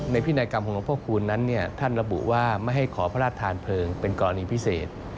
พินัยกรรมของหลวงพ่อคูณนั้นท่านระบุว่าไม่ให้ขอพระราชทานเพลิงเป็นกรณีพิเศษ